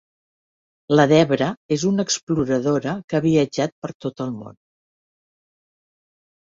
La Debra és una exploradora que ha viatjat per tot el món.